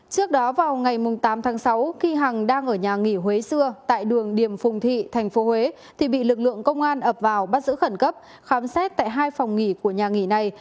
trước đó vào ngày tám tháng sáu khi hằng đang ở nhà nghỉ huế xưa tại đường điểm phùng thị tp huế thì bị lực lượng công an ập vào bắt giữ khẩn cấp khám xét tại hai phòng nghỉ của nhà nghỉ này